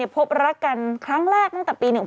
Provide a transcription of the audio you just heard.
พบรักกันครั้งแรกตั้งแต่ปี๑๙